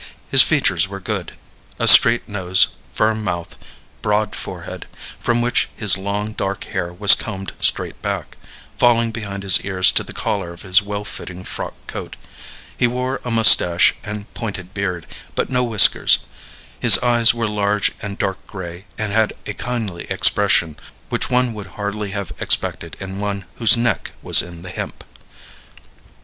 His features were good a straight nose, firm mouth, broad forehead, from which his long, dark hair was combed straight back, falling behind his ears to the collar of his well fitting frock coat. He wore a mustache and pointed beard, but no whiskers; his eyes were large and dark gray and had a kindly expression which one would hardly have expected in one whose neck was in the hemp.